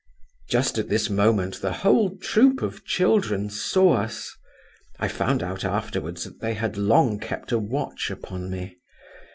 Just at this moment the whole troop of children saw us. (I found out afterwards that they had long kept a watch upon me.)